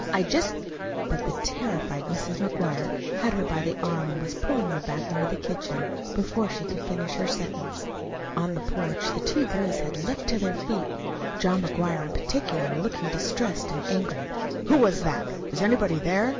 "I just " But the terrified Mrs. McGuire had her by the arm and was pulling her back into the kitchen before she could finish her sentence. On the porch the two boys had leaped to their feet, John McGuire, in particular, looking distressed and angry. "Who was that? Is anybody there?"